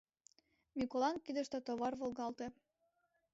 Миколан кидыште товар волгалте.